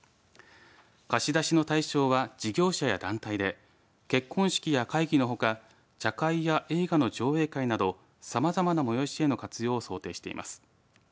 貸し出しの対象は事業者や団体で結婚式や会議のほか茶会や映画の上映会などさまざまな催しへの活用を想定しています。